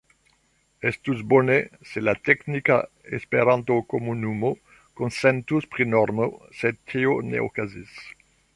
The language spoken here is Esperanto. Estus bone, se la teknika Esperanto-komunumo konsentus pri normo, sed tio ne okazis.